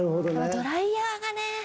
ドライヤーがね。